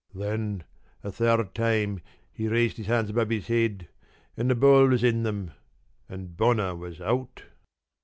Then a third time he raised his hands above his head, and the ball was in them and Bonner was out."